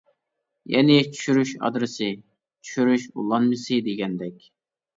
يەنى «چۈشۈرۈش ئادرېسى» ، «چۈشۈرۈش ئۇلانمىسى» دېگەندەك.